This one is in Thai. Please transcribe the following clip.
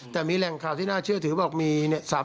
แต่มีแหล่งข่าวที่น่าเชื่อถือบอกมีเนี่ย